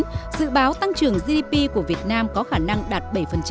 trên cơ sở đó năm hai nghìn một mươi chín dự báo tăng trưởng gdp của việt nam có khả năng đạt bảy